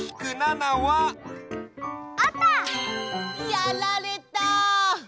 やられた。